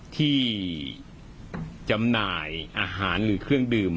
ที่จำหน่ายอาหารหรือเครื่องดื่ม